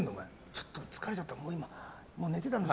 ちょっと疲れちゃってもう寝てたんです